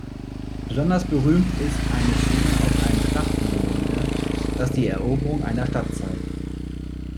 Besonders berühmt ist eine Szene aus einem "Schlachtengemälde", das die Eroberung einer Stadt zeigt.